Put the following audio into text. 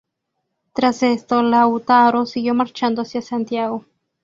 Tras esto, Lautaro siguió marchando hacia Santiago.